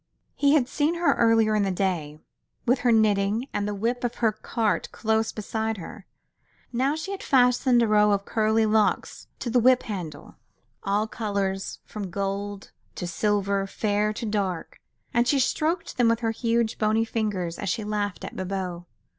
He had seen her earlier in the day, with her knitting and the whip of her cart close beside her. Now she had fastened a row of curly locks to the whip handle, all colours, from gold to silver, fair to dark, and she stroked them with her huge, bony fingers as she laughed at Bibot.